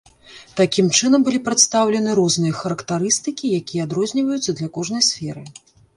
Такім чынам былі прадстаўлены розныя характарыстыкі, якія адрозніваюцца для кожнай сферы.